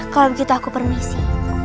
kalau begitu aku permisi